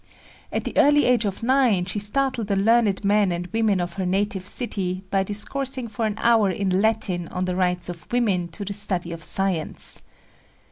At the early age of nine she startled the learned men and women of her native city by discoursing for an hour in Latin on the rights of women to the study of science.